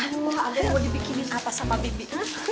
aduh aden boleh bikinin apa sama bibi